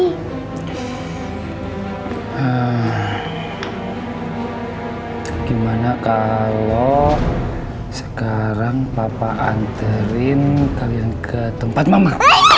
gimana kalau sekarang bapak anterin kalian ke tempat mama